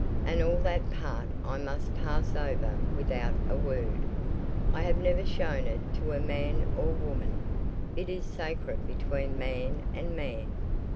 And all that part I must pass over without a word. I have never shown it to man or woman. It is sacred between man and man.